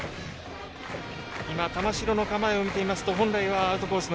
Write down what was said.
今、玉城の構えを見ていますと本来はアウトコース